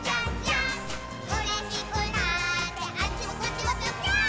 「うれしくなってあっちもこっちもぴょぴょーん」